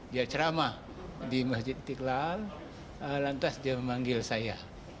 dia ceramah di masjid istiqlal lantas dia memanggil saya